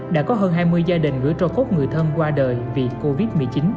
đã có hơn hai mươi gia đình gửi cho cốt người thân qua đời vì covid một mươi chín